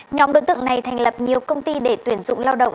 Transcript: nhóm đối tượng này thành lập nhiều công ty để tuyển dụng lao động